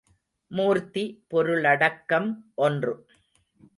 மூர்த்தி பொருளடக்கம் ஒன்று.